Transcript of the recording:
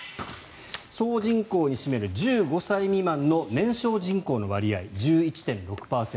総人口に占める１５歳未満の年少人口の割合、１１．６％。